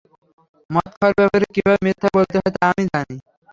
মদ খাওয়ার ব্যাপারে কীভাবে মিথ্যা বলতে হয় তা আমি জানি।